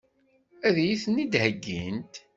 Ad iyi-ten-id-heggint?